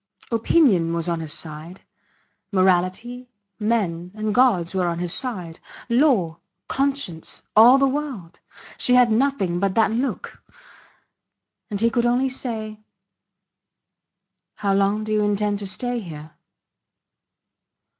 Opinion was on his side; morality, men and gods were on his side; law, conscience all the world! She had nothing but that look. And he could only say: How long do you intend to stay here?